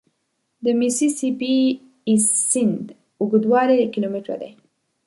د میسي سي پي سیند اوږدوالی کیلومتره دی.